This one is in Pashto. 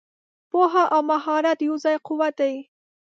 پوهه او مهارت یو ځای قوت دی.